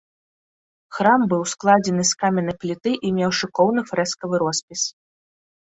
Храм быў складзены з каменнай пліты і меў шыкоўны фрэскавы роспіс.